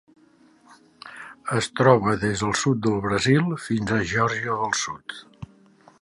Es troba des del sud del Brasil fins a Geòrgia del Sud.